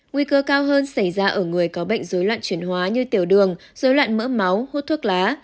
nguy cơ cao hơn xảy ra ở người có bệnh dối loạn chuyển hóa như tiểu đường dối loạn mỡ máu hút thuốc lá